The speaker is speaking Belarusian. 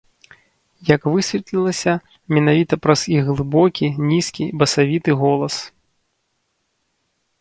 Як высветлілася, менавіта праз іх глыбокі, нізкі, басавіты голас.